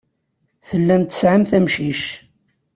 Tellamt tesɛamt amcic.